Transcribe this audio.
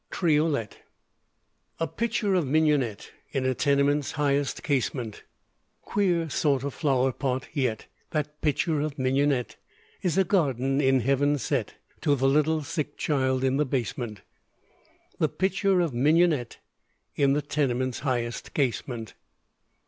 TRIOLET A pitcher of mignonette, In a tenement's highest casement: Queer sort of flower pot yet That pitcher of mignonette Is a garden in heaven set, To the little sick child in the basement The pitcher of mignonette, In the tenement's highest casement.